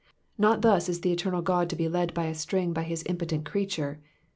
Not thus is the Eternal God to be led by a string by his impotent creature.